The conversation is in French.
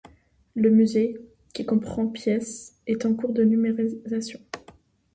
Le musée, qui comprend pièces, est en cours de numérisation.